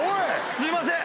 すいません。